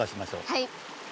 はい。